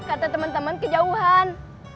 kata temen temen kejauhan